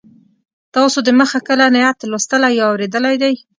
تاسو د مخه کله نعت لوستلی یا اورېدلی دی.